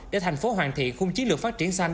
để thành phố hoàn thiện khung chiến lược phát triển xanh